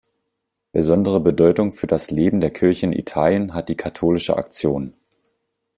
Besondere Bedeutung für das Leben der Kirche in Italien hat die Katholische Aktion.